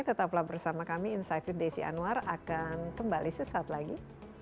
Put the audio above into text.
tetaplah bersama kami insight with desi anwar akan kembali sesaat lagi